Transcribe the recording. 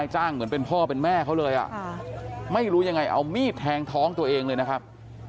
ให้เอามีดแทงท้องตัวเองเลยนะครับ